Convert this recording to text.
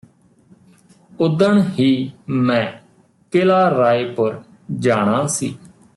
ਉੱਦਣ ਹੀ ਮੈਂ ਕਿਲਾ ਰਾਏਪੁਰ ਜਾਣਾ ਸੀ